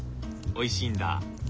おいしいんだ？